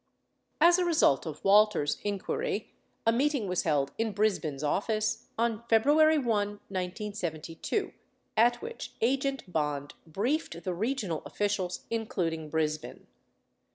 As a result of Walters' inquiry, a meeting was held in Brisbin's office on February 1, 1972, at which agent Bond briefed the regional officials, including Brisbin.